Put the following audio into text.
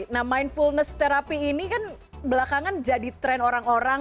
nah mindfulness terapi ini kan belakangan jadi tren orang orang